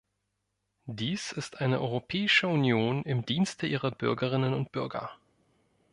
Dies ist eine Europäische Union im Dienste ihrer Bürgerinnen und Bürger.